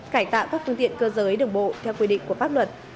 cải tạo các phương tiện cơ giới đường bộ theo quy định của pháp luật